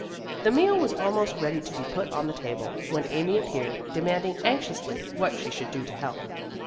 The meal was almost ready to be put on the table, when Amy appeared, demanding anxiously what she should do to help.